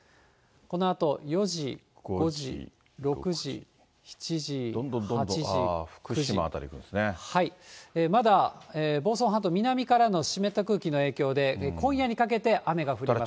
このあと４時、５時、６時、７時、どんどんどんどん、福島辺りまだ房総半島、南からの湿った空気の影響で、今夜にかけて、雨が降ります。